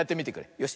よし。